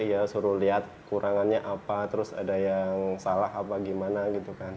ya suruh lihat kurangannya apa terus ada yang salah apa gimana gitu kan